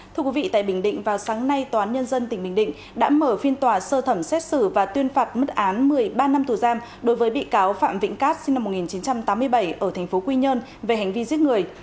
thưa quý vị tại bình định vào sáng nay tòa án nhân dân tỉnh bình định đã mở phiên tòa sơ thẩm xét xử và tuyên phạt mức án một mươi ba năm tù giam đối với bị cáo phạm vĩnh cát sinh năm một nghìn chín trăm tám mươi bảy ở tp quy nhơn về hành vi giết người